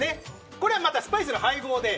これはスパイスの配合で。